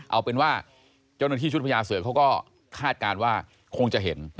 เอาเป็นว่าเจ้าหน้าที่ชุดพญาเสือกเขาก็คาดการณ์ว่าคงจะเห็น